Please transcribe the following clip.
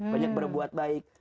banyak berbuat baik